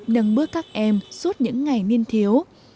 nâng bước các em suốt những ngày niên thiếu